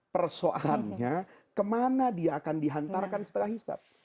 persoalannya kemana dia akan dihantarkan setelah hisap